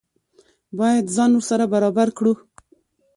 باید ځان ورسره برابر کړو.